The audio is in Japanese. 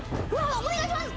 お願いします。